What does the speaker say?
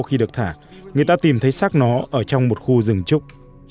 sau khi được thả người ta tìm thấy sắc nó ở trong một khu rừng trúc